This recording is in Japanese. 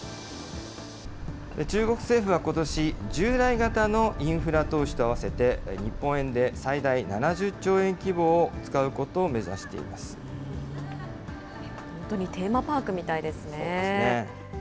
中国政府はことし、従来型のインフラ投資と合わせて日本円で最大７０兆円規模を使う本当にテーマパークみたいでそうですね。